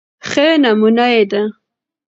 ښه نمونه يې د